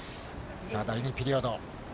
さあ、第２ピリオド。